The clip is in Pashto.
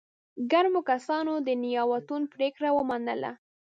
ګرمو کسانو د نياوتون پرېکړه ومنله.